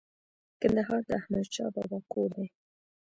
کندهار د احمد شاه بابا کور دی